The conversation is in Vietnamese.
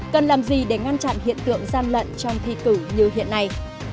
cần làm gì để ngăn chặn hiện tượng gian lận trong thi cử như hiện nay